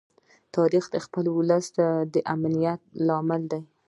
تاریخ د خپل ولس د امنیت لامل دی.